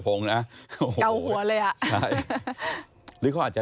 ยังคงอาจจะ